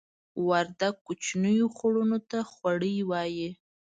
وردګ کوچنیو خوړونو ته خوړۍ وایې